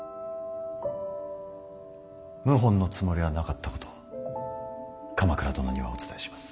謀反のつもりはなかったこと鎌倉殿にはお伝えします。